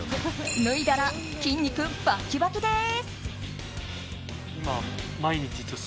脱いだら筋肉バキバキです。